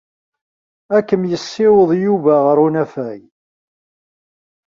Ad kem-yessiweḍ Yuba ɣer unafag.